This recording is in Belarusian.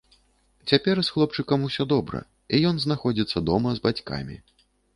Цяпер з хлопчыкам усё добра і ён знаходзіцца дома з бацькамі.